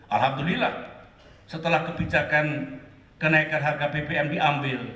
alhamdulillah setelah kebijakan kenaikan harga bbm diambil